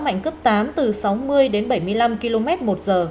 mạnh cấp tám từ sáu mươi đến bảy mươi năm km một giờ